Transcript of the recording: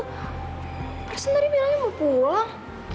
perasan tadi bilangnya mau pulang